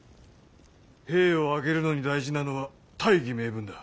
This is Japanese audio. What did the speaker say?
兵を挙げるのに大事なのは大義名分だ。